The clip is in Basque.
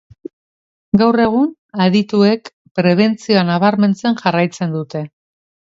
Gaur egun adituek prebentzioa nabarmentzen jarraitzen dute.